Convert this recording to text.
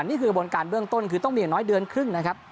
นี่คือกระบวนการเบื้องต้นคือต้องมีอย่างน้อยเดือนครึ่งนะครับ